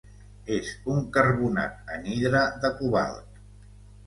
És un carbonat anhidre de cobalt.